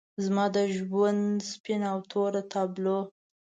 زما د ژوند سپینه او توره تابلو